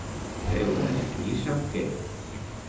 Creure's qui sap què.